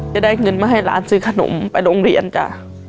จะได้เงินมาให้หลานซื้อขนมไปโรงเรียนจ้ะ